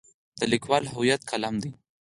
د لیکوال هویت قلم دی.